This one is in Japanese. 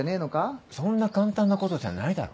そんな簡単なことじゃないだろ。